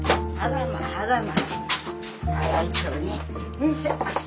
よいしょ。